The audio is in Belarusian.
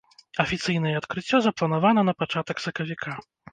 Афіцыйнае адкрыццё запланавана на пачатак сакавіка.